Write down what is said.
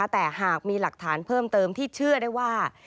แต่หากมีหลักฐานเพิ่มเติมที่เชื่อได้ว่า